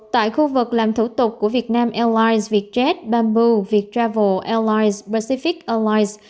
tại khu vực làm thủ tục của việt nam airlines vietjet bamboo viettravel airlines pacific ois